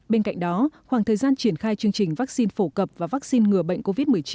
bên cạnh đó khoảng thời gian triển khai chương trình vaccine phổ cập và vaccine ngừa bệnh covid một mươi chín